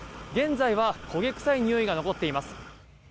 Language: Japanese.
現在は焦げ臭いにおいが残っています。